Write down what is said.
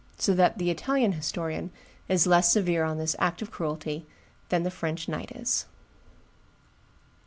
] So that the Italian historian is less severe on this act of cruelty than the French knight is.